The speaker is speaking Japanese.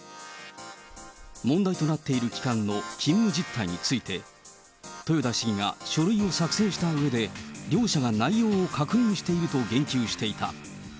問題となっている期間の勤務実態について、豊田市議が書類を作成したうえで、両者が内容を確認していると言及していた。